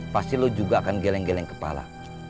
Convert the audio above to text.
pasti lo juga akan geleng geleng kepala